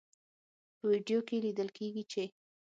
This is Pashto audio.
په ویډیو کې لیدل کیږي چې